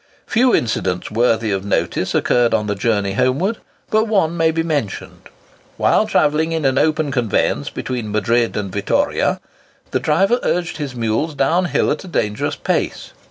Few incidents worthy of notice occurred on the journey homeward, but one may be mentioned. While travelling in an open conveyance between Madrid and Vittoria, the driver urged his mules down hill at a dangerous pace.